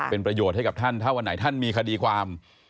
เป็นประโยชน์ให้กับท่านถ้าวันไหนท่านมีคดีความ